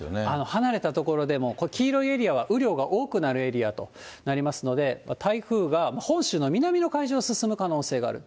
離れた所でも、これ、黄色いエリアは雨量が多くなるエリアとなりますので、台風が本州の南の海上を進む可能性がある。